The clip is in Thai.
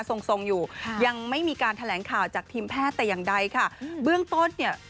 ทรงทรงอยู่ค่ะยังไม่มีการแถลงข่าวจากทีมแพทย์แต่อย่างใดค่ะเบื้องต้นเนี่ย